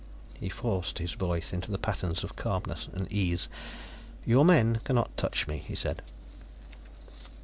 He forced his voice into the patterns of calmness and ease. "Your men cannot touch me," he said.